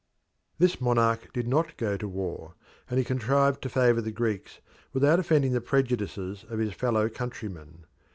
This monarch did not go to war, and he contrived to favour the Greeks without offending the prejudices of his fellow countrymen.